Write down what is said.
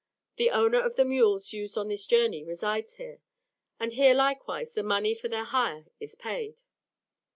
The owner of the mules used on this journey resides here, and here, likewise, the money for their hire is paid.